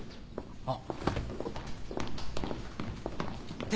あっ！